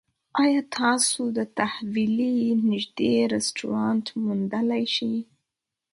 ایا تاسو د تحویلۍ نږدې رستورانت موندلی شئ؟